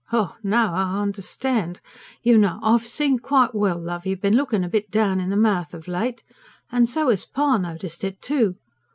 "Ha! Now I understand. You know I've seen quite well, love, you've been looking a bit down in the mouth of late. And so 'as pa noticed it, too.